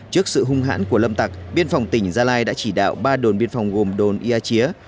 trước sự hung hãn của lâm tặc biên phòng tỉnh gia lai đã chỉ đạo ba đồn biên phòng gồm đồn ia chía